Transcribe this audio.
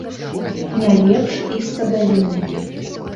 Не лепш і з садавінай.